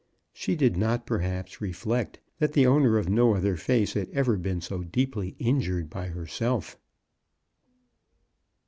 She did not, perhaps, reflect that the owner of no other face had ever been so deeply injured by herself.